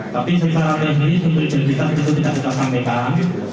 tapi secara resmi seperti yang kita sebutkan kita tidak bisa sampaikan